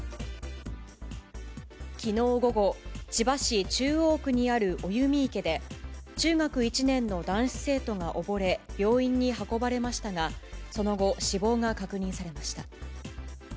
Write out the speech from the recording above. きのう午後、千葉市中央区にある生実池で、中学１年の男子生徒が溺れ、病院に運ばれましたが、その後、死亡が確認されました。